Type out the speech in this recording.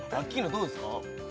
どうですか？